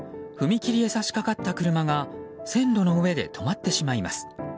踏切へ差し掛かった車が線路の上で止まってしまいます。